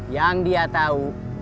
yang dia tahu